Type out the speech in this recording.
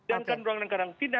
jangan berangkat berangkat karantina